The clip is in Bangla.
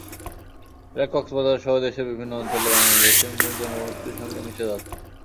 এরা কক্সবাজারসহ দেশের বিভিন্ন অঞ্চলে বাংলাদেশের মূল জনগোষ্ঠীর সঙ্গে মিশে যাচ্ছে।